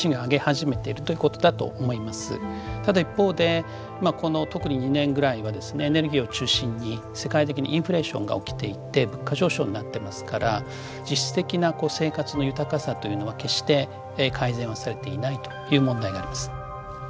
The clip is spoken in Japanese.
ただ一方でこの特に２年ぐらいはですねエネルギーを中心に世界的にインフレーションが起きていて物価上昇になってますから実質的なこう生活の豊かさというのは決して改善はされていないという問題があります。